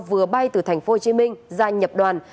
vừa bay từ thành phố hồ chí minh ra nhập đoàn